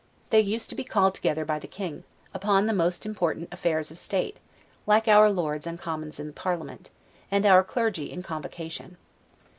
They used to be called together by the King, upon the most important affairs of state, like our Lords and Commons in parliament, and our Clergy in convocation.